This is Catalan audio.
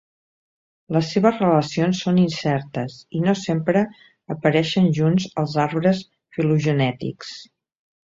Les seves relacions són incertes i no sempre apareixen junts als arbres filogenètics.